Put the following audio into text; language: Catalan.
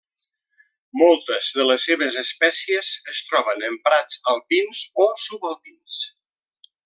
Moltes de les seves espècies es troben en prats alpins o subalpins.